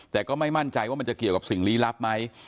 แต่ก็ไม่มั่นใจว่ามันจะเกี่ยวกับสิ่งลี้ลับไหม